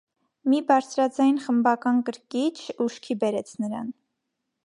Մի բարձրաձայն խմբական քրքրիջ ուշքի բերեց նրան: